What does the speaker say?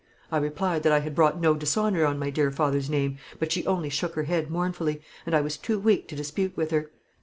I replied that I had brought no dishonour on my dear father's name; but she only shook her head mournfully, and I was too weak to dispute with her.